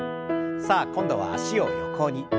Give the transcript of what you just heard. さあ今度は脚を横に。